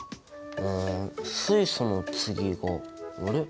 水素の次があれ？